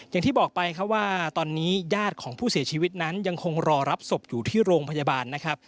อย่างที่บอกไปครับว่าตอนนี้ญาติของผู้เสียชีวิตนั้นยังคงรอรับศพอยู่ที่โรงพยาบาลนะครับ